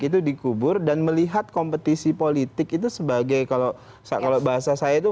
itu dikubur dan melihat kompetisi politik itu sebagai kalau bahasa saya itu